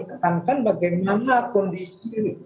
katakan bagaimana kondisi